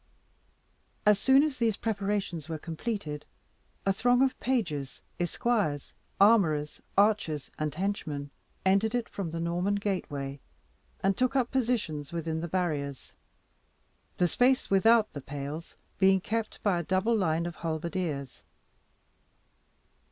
As soon as these preparations were completed, a throng of pages, esquires, armourers, archers, and henchmen, entered it from the Norman gateway, and took up positions within the barriers, the space without the pales being kept by a double line of halberdiers.